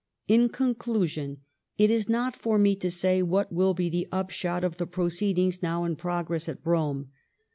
In conclusion, it is not for me to say what will be the upshot of the proceedings now in prog ress at Rome.